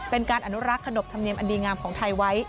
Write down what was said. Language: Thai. เป็นการอนุรักษ์ขนบธรรมเนียมอันดีงามของไทยไว้